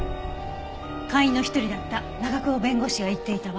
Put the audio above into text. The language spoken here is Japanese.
会員の一人だった長久保弁護士が言っていたわ。